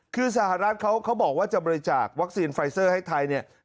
คือสหรัฐเขาบอกว่าจะบริจาควัคซีนไฟเซอร์ให้ไทยเนี่ย